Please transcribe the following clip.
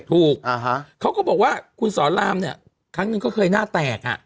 ถูกเขาก็บอกว่าคุณสอนรามเนี่ยครั้งหนึ่งก็เคยหน้าแตกอ่ะ